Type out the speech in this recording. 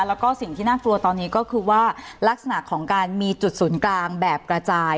แล้วก็สิ่งที่น่ากลัวตอนนี้ก็คือว่าลักษณะของการมีจุดศูนย์กลางแบบกระจาย